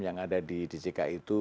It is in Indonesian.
yang ada di djk itu